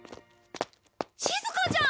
しずかちゃん！